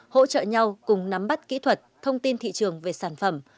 hỗ trợ nhau cùng nắm bắt kỹ thuật thông tin thị trường về sản phẩm